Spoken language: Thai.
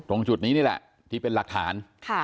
ตรงจุดนี้นี่แหละที่เป็นหลักฐาน